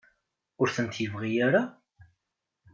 Ur tent-yebɣi ara?